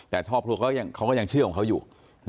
แต่ครอบครัวเขาก็ยังเชื่อของเขาอยู่